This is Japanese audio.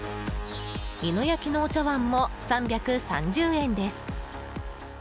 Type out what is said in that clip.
美濃焼のお茶碗も３３０円です。